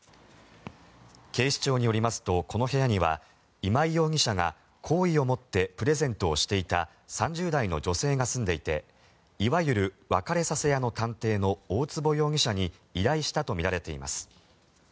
警視庁によりますとこの部屋には今井容疑者が好意を持ってプレゼントをしていた３０代の女性が住んでいていわゆる別れさせ屋の探偵の大坪容疑者に依頼したとみられています。